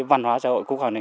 văn hóa xã hội quốc hội